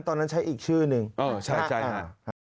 ตอนนั้นใช้อีกชื่อหนึ่งใช่ค่ะใช่ค่ะโอ้